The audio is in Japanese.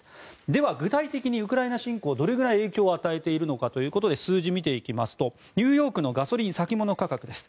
では、具体的にウクライナ侵攻がどのぐらい影響を与えているのか数字を見ていきますとニューヨークのガソリン先物価格です。